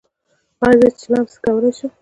ایا زه چلم څکولی شم؟